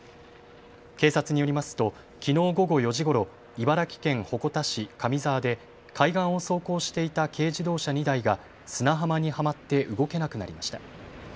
警察によりますときのう午後４時ごろ、茨城県鉾田市上沢で海岸を走行していた軽自動車２台が砂浜にはまって動けなくなりました。